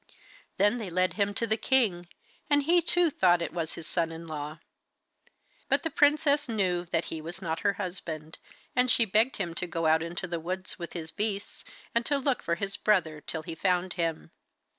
Then they led him to the king, and he too thought that it was his son in law. But the princess knew that he was not her husband, and she begged him to go out into the woods with his beasts, and to look for his brother till he found him.